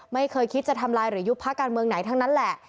ไม่เคยคิดจะทำลายหรือยุบพักการเมืองไหนทั้งนั้นแหละ